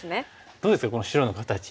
どうですかこの白の形。